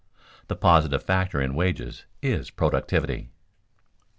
The positive factor in wages is productivity.